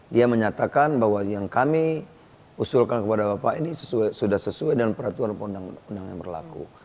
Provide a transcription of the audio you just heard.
dia menyatakan bahwa yang kami usulkan kepada bapak ini sudah sesuai dengan peraturan undang undang yang berlaku